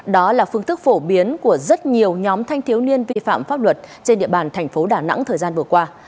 đó là phương thức phổ biến của rất nhiều nhóm thanh thiếu niên vi phạm pháp luật trên địa bàn thành phố đà nẵng thời gian vừa qua